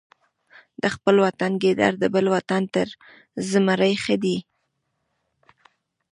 د خپل وطن ګیدړ د بل وطن تر زمري ښه دی.